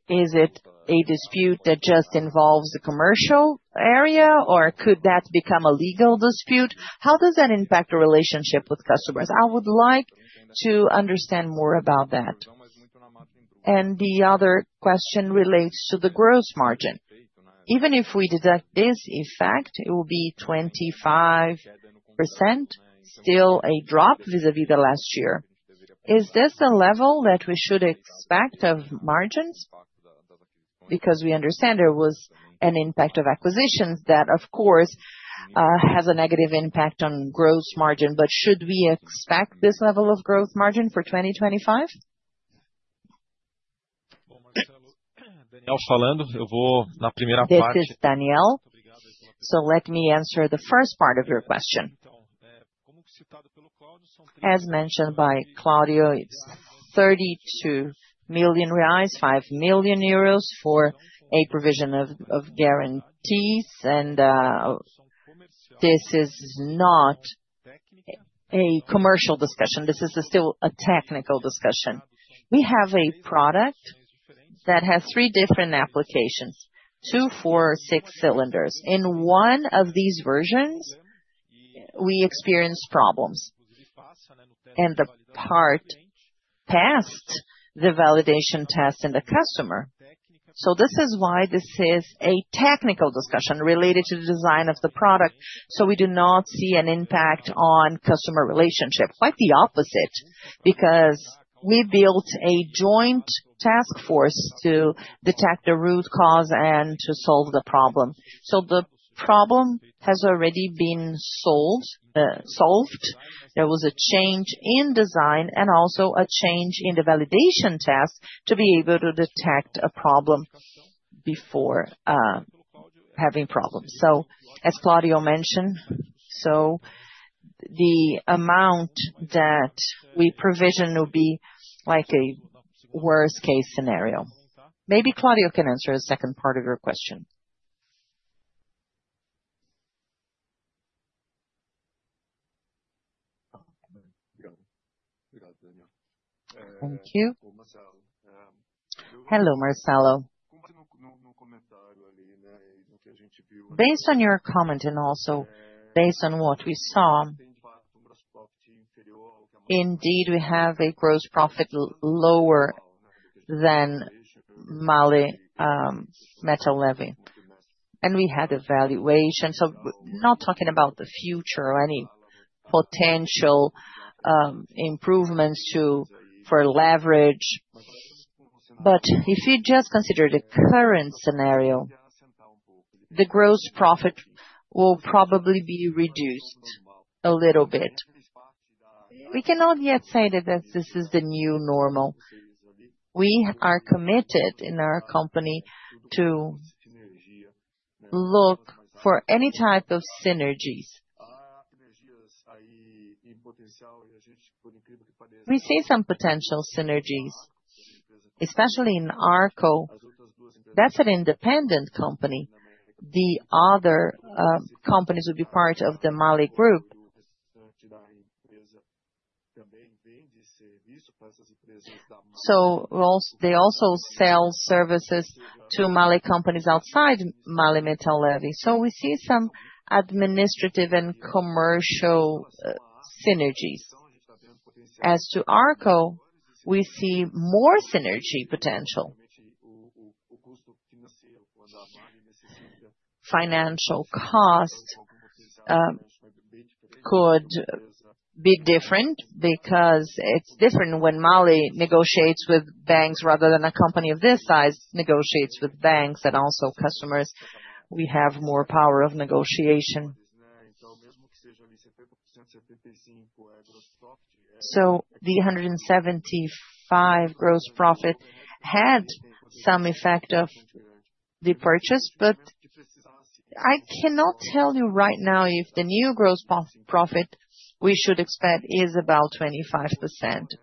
Is it a dispute that just involves the commercial area, or could that become a legal dispute? How does that impact the relationship with customers? I would like to understand more about that. The other question relates to the gross margin. Even if we deduct this effect, it will be 25%, still a drop vis-à-vis the last year. Is this the level that we should expect of margins? Because we understand there was an impact of acquisitions that, of course, has a negative impact on gross margin, but should we expect this level of gross margin for 2025? This is Daniel. Let me answer the first part of your question. As mentioned by Claudio, it's $32 million, 5 million euros for a provision of guarantees, and this is not a commercial discussion. This is still a technical discussion. We have a product that has three different applications, two, four, six cylinders. In one of these versions, we experienced problems, and the part passed the validation test in the customer. This is why this is a technical discussion related to the design of the product. We do not see an impact on customer relationship, quite the opposite, because we built a joint task force to detect the root cause and to solve the problem. The problem has already been solved. There was a change in design and also a change in the validation test to be able to detect a problem before having problems. As Claudio mentioned, the amount that we provision will be like a worst-case scenario. Maybe Claudio can answer the second part of your question. Thank you. Hello, Marcelo. Based on your comment and also based on what we saw, indeed, we have a gross profit lower than MAHLE Metal Levy. We had evaluation. Not talking about the future or any potential improvements for leverage, but if you just consider the current scenario, the gross profit will probably be reduced a little bit. We cannot yet say that this is the new normal. We are committed in our company to look for any type of synergies. We see some potential synergies, especially in Arco. That's an independent company. The other companies will be part of the MAHLE Group. They also sell services to MAHLE companies outside MAHLE Metal Levy. We see some administrative and commercial synergies. As to Arco, we see more synergy potential. Financial cost could be different because it's different when MAHLE negotiates with banks rather than a company of this size negotiates with banks and also customers. We have more power of negotiation. The 17.5% gross profit had some effect of the purchase, but I cannot tell you right now if the new gross profit we should expect is about 25%.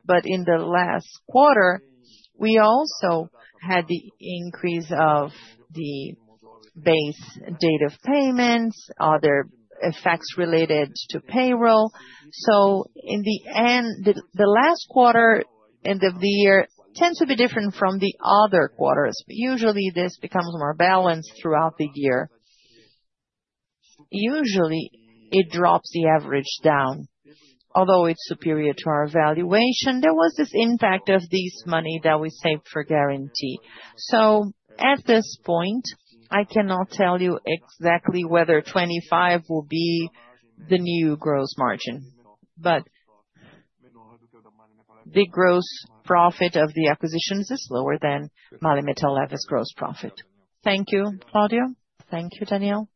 But in the last quarter, we also had the increase of the base date of payments, other effects related to payroll. In the end, the last quarter end of the year tends to be different from the other quarters. Usually, this becomes more balanced throughout the year. Usually, it drops the average down. Although it's superior to our valuation, there was this impact of this money that we saved for guarantee. At this point, I cannot tell you exactly whether 25% will be the new gross margin, but the gross profit of the acquisitions is lower than MAHLE Metal Leve's gross profit. Thank you, Claudio. Thank you, Daniel.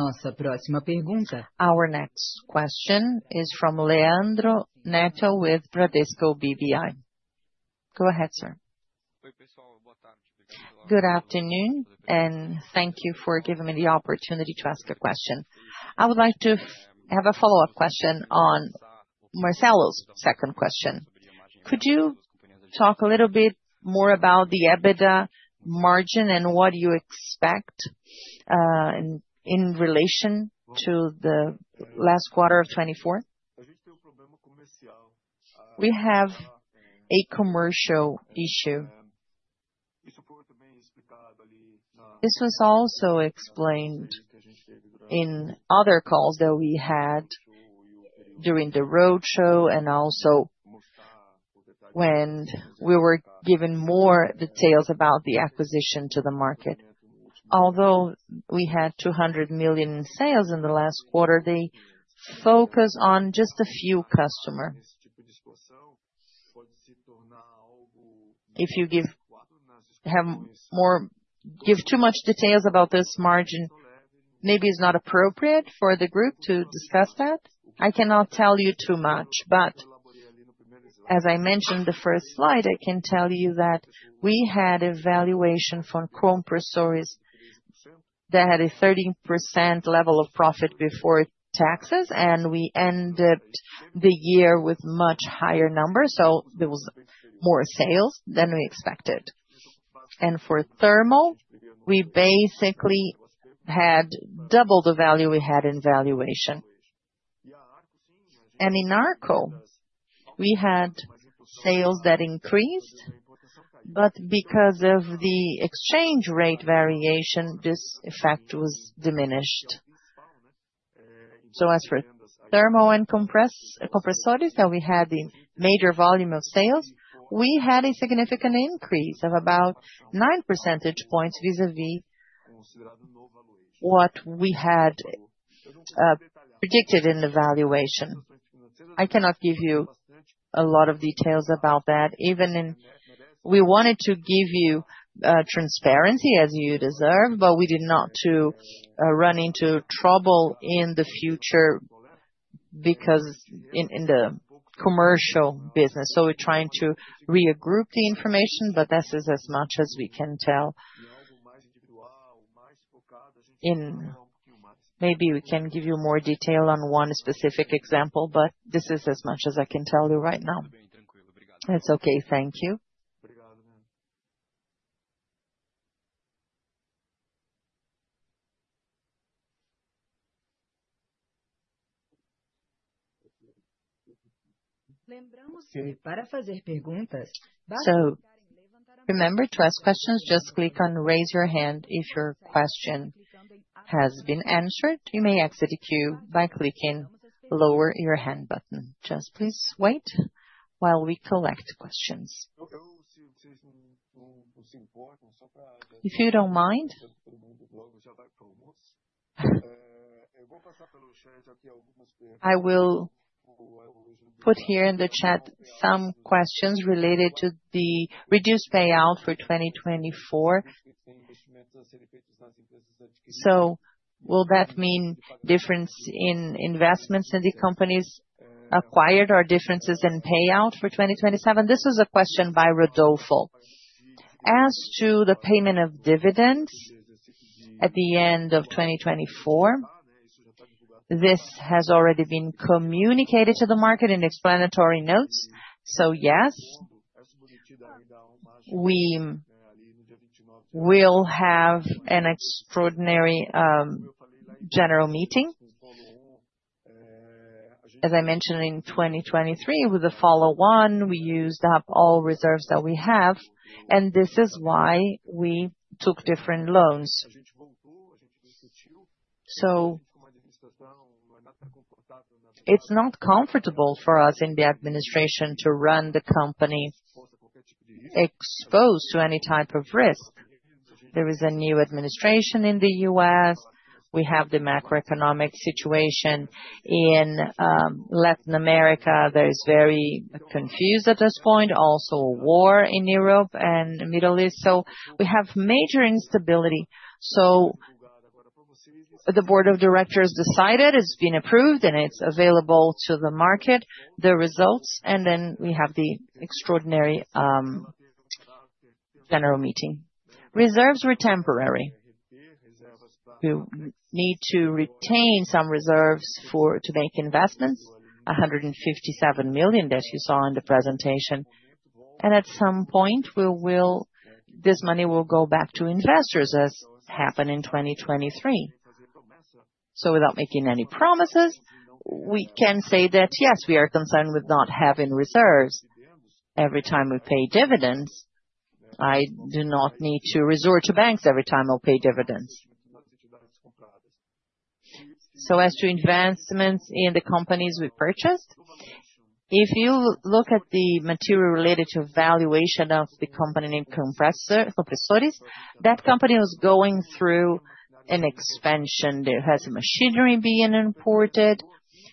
Our next question is from Leandro Neto with Bradesco BBI. Go ahead, sir. Good afternoon, and thank you for giving me the opportunity to ask a question. I would like to have a follow-up question on Marcelo's second question. Could you talk a little bit more about the EBITDA margin and what you expect in relation to the last quarter of 2024? We have a commercial issue. This was also explained in other calls that we had during the roadshow and also when we were given more details about the acquisition to the market. Although we had $200 million in sales in the last quarter, they focused on just a few customers. If you have too much detail about this margin, maybe it's not appropriate for the group to discuss that. I cannot tell you too much, but as I mentioned in the first slide, I can tell you that we had a valuation from Compressores that had a 30% level of profit before taxes, and we ended the year with a much higher number. There were more sales than we expected. For thermal, we basically had double the value we had in valuation. In Arco, we had sales that increased, but because of the exchange rate variation, this effect was diminished. As for thermal and Compressores that we had the major volume of sales, we had a significant increase of about 9 percentage points vis-à-vis what we had predicted in the valuation. I cannot give you a lot of details about that. We wanted to give you transparency as you deserve, but we did not want to run into trouble in the future because in the commercial business. So we're trying to regroup the information, but this is as much as we can tell. Maybe we can give you more detail on one specific example, but this is as much as I can tell you right now. That's okay. Thank you. Remember to ask questions. Just click on "Raise your hand" if your question has been answered. You may exit the queue by clicking the "Lower your hand" button. Just please wait while we collect questions. If you don't mind, I will put here in the chat some questions related to the reduced payout for 2024. Will that mean a difference in investments in the companies acquired or differences in payout for 2027? This was a question by Rodolfo. As to the payment of dividends at the end of 2024, this has already been communicated to the market in explanatory notes. Yes, we will have an extraordinary general meeting. As I mentioned in 2023, with the follow-on, we used up all reserves that we have, and this is why we took different loans. It's not comfortable for us in the administration to run the company exposed to any type of risk. There is a new administration in the U.S. We have the macroeconomic situation in Latin America that is very confused at this point. Also, a war in Europe and the Middle East. We have major instability. The board of directors decided it's been approved and it's available to the market, the results, and then we have the extraordinary general meeting. Reserves were temporary. We need to retain some reserves to make investments, $157 million that you saw in the presentation. At some point, this money will go back to investors, as happened in 2023. Without making any promises, we can say that yes, we are concerned with not having reserves every time we pay dividends. I do not need to resort to banks every time I'll pay dividends. As to advancements in the companies we purchased, if you look at the material related to valuation of the company named Compressores, that company was going through an expansion. It has machinery being imported,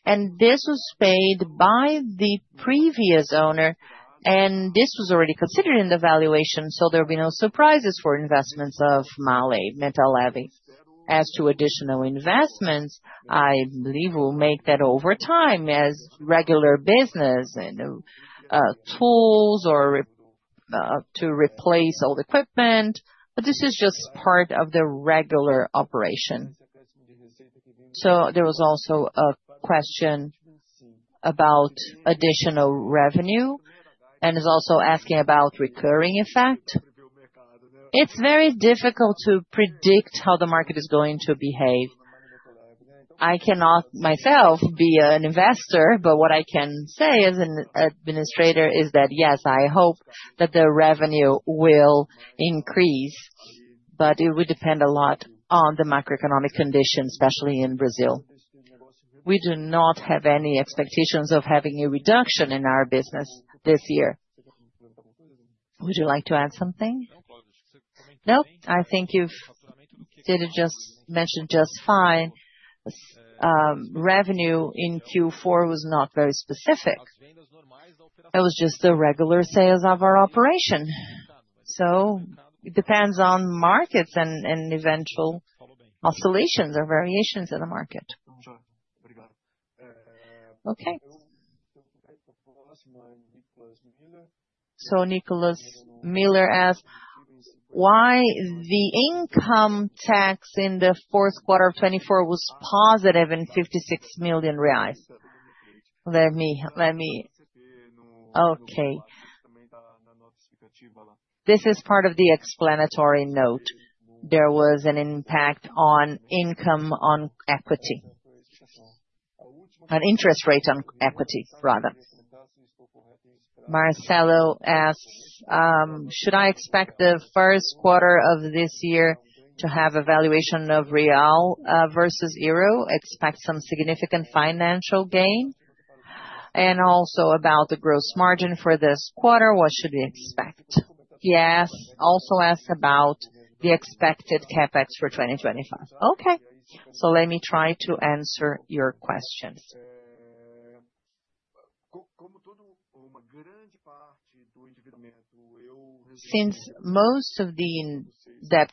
and this was paid by the previous owner, and this was already considered in the valuation, so there will be no surprises for investments of MAHLE Metal Leve. As to additional investments, I believe we'll make that over time as regular business and tools to replace old equipment, but this is just part of the regular operation. There was also a question about additional revenue and is also asking about recurring effect. It's very difficult to predict how the market is going to behave. I cannot myself be an investor, but what I can say as an administrator is that yes, I hope that the revenue will increase, but it would depend a lot on the macroeconomic conditions, especially in Brazil. We do not have any expectations of having a reduction in our business this year. Would you like to add something? No, I think you've just mentioned just fine. Revenue in Q4 was not very specific. It was just the regular sales of our operation. It depends on markets and eventual oscillations or variations in the market. Nicholas Miller asked why the income tax in the fourth quarter of 2024 was positive in $56 million. This is part of the explanatory note. There was an impact on income on equity, an interest rate on equity, rather. Marcelo asks, should I expect the first quarter of this year to have a valuation of real versus euro? Expect some significant financial gain? Also about the gross margin for this quarter, what should we expect? Also asked about the expected CapEx for 2025. Let me try to answer your questions. Since most of the debt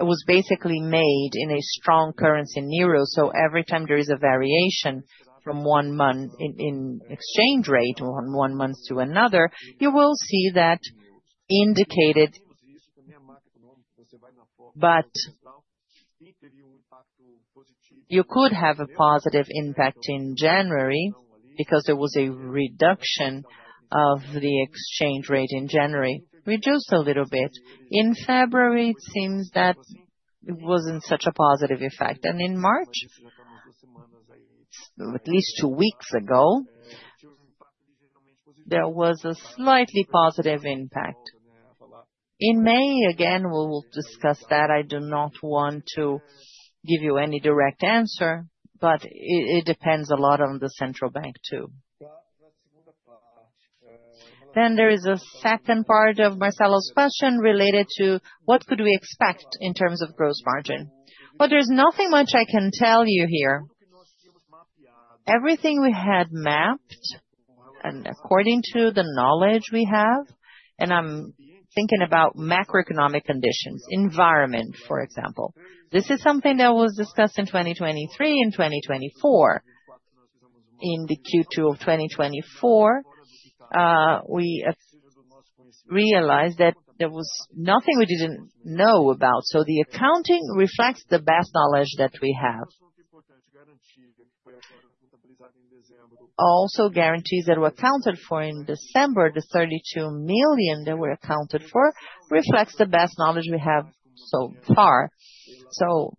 was basically made in a strong currency in euro, so every time there is a variation from one month in exchange rate from one month to another, you will see that indicated. But you could have a positive impact in January because there was a reduction of the exchange rate in January. We just a little bit. In February, it seems that it wasn't such a positive effect. And in March, at least two weeks ago, there was a slightly positive impact. In May, again, we'll discuss that. I do not want to give you any direct answer, but it depends a lot on the central bank too. There is a second part of Marcelo's question related to what could we expect in terms of gross margin. But there's nothing much I can tell you here. Everything we had mapped and according to the knowledge we have, and I'm thinking about macroeconomic conditions, environment, for example. This is something that was discussed in 2023 and 2024. In Q2 of 2024, we realized that there was nothing we didn't know about. So the accounting reflects the best knowledge that we have. Also guarantees that were accounted for in December, the $32 million that were accounted for reflects the best knowledge we have so far. So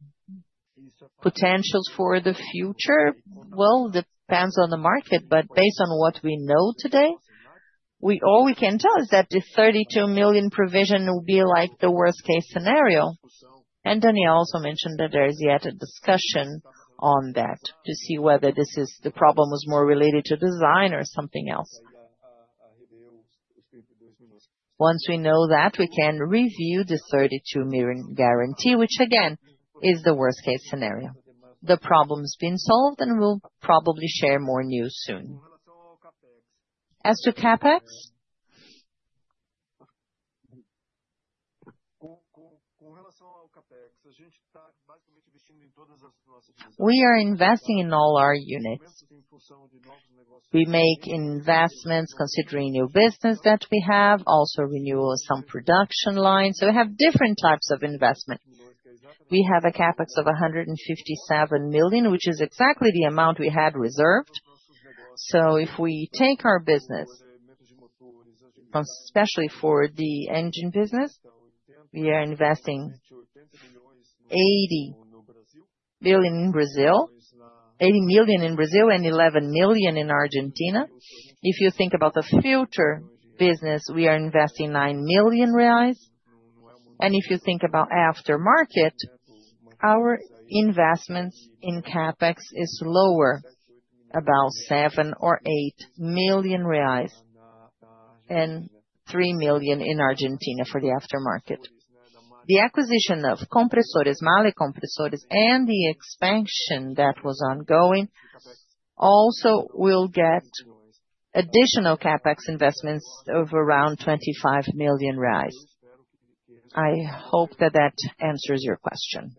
potentials for the future will depend on the market, but based on what we know today, all we can tell is that the $32 million provision will be like the worst-case scenario. Daniel also mentioned that there is yet a discussion on that to see whether this problem was more related to design or something else. Once we know that, we can review the $32 million guarantee, which again is the worst-case scenario. The problem has been solved, and we'll probably share more news soon. As to CapEx, we are investing in all our units. We make investments considering new business that we have, also renewal of some production lines. We have different types of investment. We have a CapEx of $157 million, which is exactly the amount we had reserved. If we take our business, especially for the engine business, we are investing $80 million in Brazil, $80 million in Brazil, and $11 million in Argentina. If you think about the future business, we are investing $9 million. If you think about aftermarket, our investments in CapEx are lower, about $7 or $8 million, and $3 million in Argentina for the aftermarket. The acquisition of Compressores, MAHLE Compressores, and the expansion that was ongoing also will get additional CapEx investments of around $25 million. I hope that answers your question.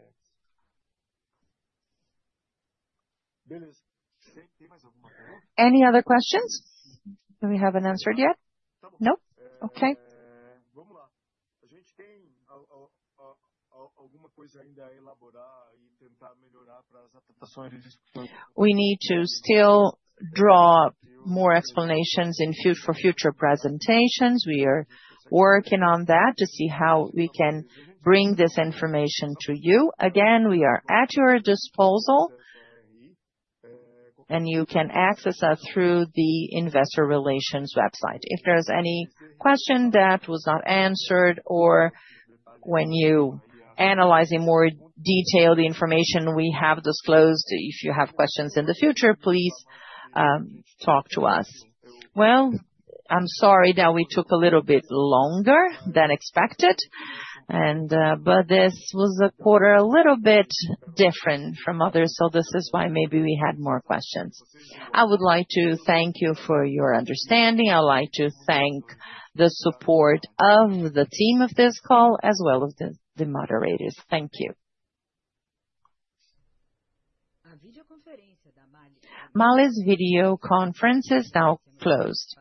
Any other questions? Do we have an answer yet? No? Okay. We need to still draw more explanations for future presentations. We are working on that to see how we can bring this information to you. Again, we are at your disposal, and you can access us through the investor relations website. If there's any question that was not answered or when you analyze in more detail the information we have disclosed, if you have questions in the future, please talk to us. I'm sorry that we took a little bit longer than expected, but this was a quarter a little bit different from others, so this is why maybe we had more questions. I would like to thank you for your understanding. I would like to thank the support of the team of this call as well as the moderators. Thank you. MAHLE's video conference is now closed.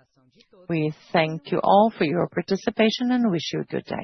We thank you all for your participation and wish you a good day.